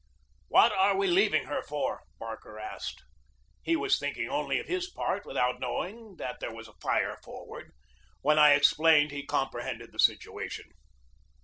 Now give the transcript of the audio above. "What are we leaving her for?" Barker asked. He was thinking only of his part, without knowing that there was a fire forward. When I explained, he comprehended the situation.